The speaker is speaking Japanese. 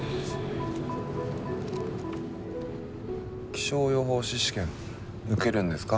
気象予報士試験受けるんですか？